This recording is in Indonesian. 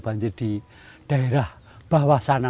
banjir di daerah bawah sana